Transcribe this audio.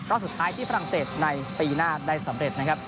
สุดท้ายที่ฝรั่งเศสในปีหน้าได้สำเร็จนะครับ